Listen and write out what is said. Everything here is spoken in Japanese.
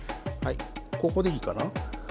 ここでいいかな？